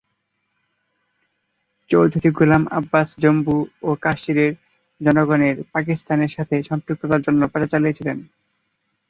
চৌধুরী গোলাম আব্বাস জম্মু ও কাশ্মীরের জনগণের পাকিস্তানের সাথে সম্পৃক্ততার জন্য প্রচার চালিয়েছিলেন।